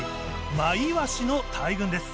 マイワシの大群です。